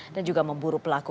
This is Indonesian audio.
dan juga memburu pelaku